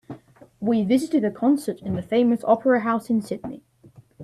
We visited a concert in the famous opera house in Sydney.